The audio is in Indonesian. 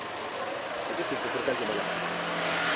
jadi dikuburkan di mana